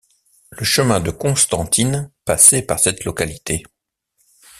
Le chemin de Constantine passait par cette localité.